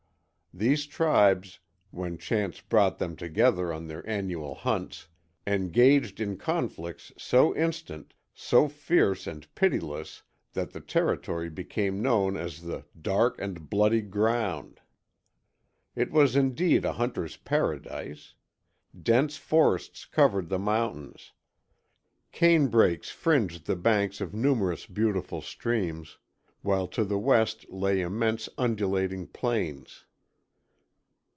These tribes, when chance brought them together on their annual hunts, engaged in conflicts so instant, so fierce and pitiless that the territory became known as the Dark and Bloody Ground. It was indeed a hunter's paradise. Dense forests covered the mountains. Cane brakes fringed the banks of numerous beautiful streams, while to the west lay immense undulating plains.